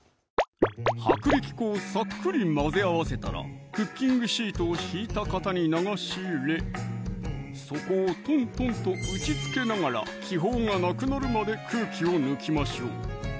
薄力粉をさっくり混ぜ合わせたらクッキングシートをひいた型に流し入れ底をトントンと打ちつけながら気泡がなくなるまで空気を抜きましょう！